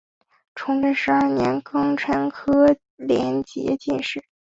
崇祯十二年庚辰科联捷进士。